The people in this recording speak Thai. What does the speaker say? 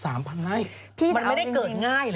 มันไม่ได้เกิดง่ายหรือยังไงนะ